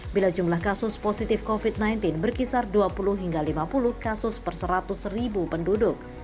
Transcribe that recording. bila jumlah kasus positif covid sembilan belas berkisar dua puluh hingga lima puluh kasus per seratus ribu penduduk